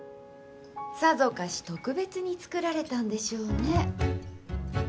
さぞかし特別に作られたんでしょうね。